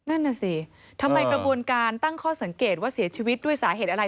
นั่นน่ะสิทำไมกระบวนการตั้งข้อสังเกตว่าเสียชีวิตด้วยสาเหตุอะไร